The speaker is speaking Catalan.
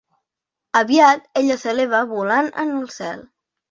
Aviat, ella s'eleva volant en el cel.